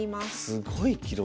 すごい記録。